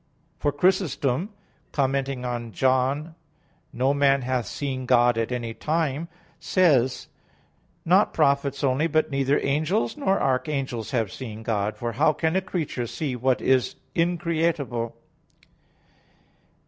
For Chrysostom (Hom. xiv. in Joan.) commenting on John 1:18, "No man hath seen God at any time," says: "Not prophets only, but neither angels nor archangels have seen God. For how can a creature see what is increatable?"